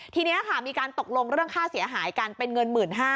ทีนี้ค่ะมีการตกลงเรื่องค่าเสียหายกันเป็นเงิน๑๕๐๐